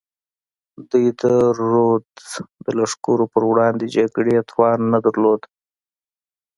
دوی د رودز د لښکرو پر وړاندې جګړې توان نه درلود.